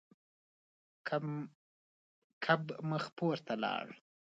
کب مخ پورته لاړ.